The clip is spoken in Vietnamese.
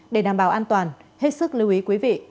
để đảm bảo an toàn hết sức lưu ý quý vị